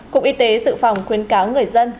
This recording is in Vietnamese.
cục y tế dự phòng khuyến cáo người dân